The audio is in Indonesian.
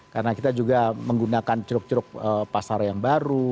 karena kita juga menggunakan curug curug pasar yang baru